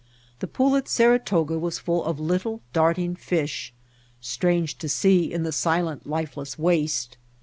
The pool at Saratoga was full of little darting fish, strange to see in the silent, lifeless waste.